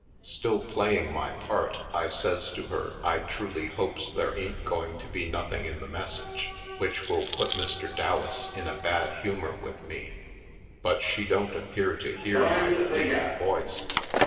Still playing my part, I says to her I truly hopes there ain't going to be nothing in the message which will put Mr. Dallas in a bad humor with me. But she don't appear to hear my pleading voice.